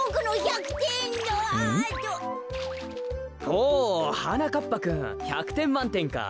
ほうはなかっぱくん１００てんまんてんか。